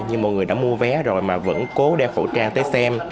nhưng mọi người đã mua vé rồi mà vẫn cố đeo khẩu trang tới xem